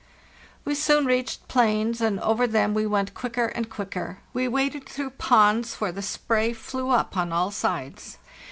"We soon reached plains, and over them we went quicker and quicker. We waded through ponds where the spray flew up on all sides.